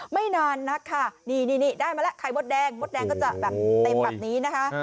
ไม่นานนักค่ะนี่ได้มาแล้วไข่มดแดงมดแดงก็จะแบบเต็มแบบนี้นะคะ